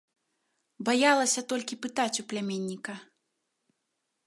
Баялася толькі пытаць у пляменніка.